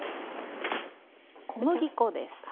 小麦粉です。